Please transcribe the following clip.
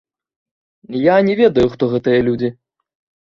Я не ведаю, хто гэтыя людзі.